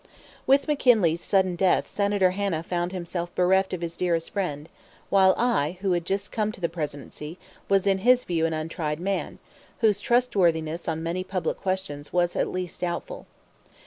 With McKinley's sudden death Senator Hanna found himself bereft of his dearest friend, while I, who had just come to the Presidency, was in his view an untried man, whose trustworthiness on many public questions was at least doubtful.